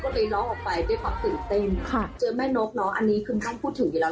ออกไปด้วยความตื่นเต็มค่ะเจอแม่นกเนาะอันนี้คือไม่พูดถึงอยู่แล้ว